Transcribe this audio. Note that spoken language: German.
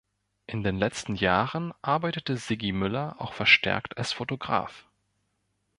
In den letzten Jahren arbeitete Siggi Mueller auch verstärkt als Fotograf.